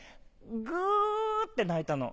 グって鳴いたの。